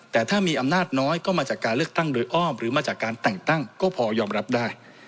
แต่ถ้ามีอำนาจน้อยก็มาจากการเลือกตั้งโดยอ้อมหรือมาจากการแต่งตั้งก็พอยอมรับได้